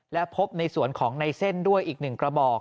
และพบในสวนของในเส้นด้วยอีก๑กระบอก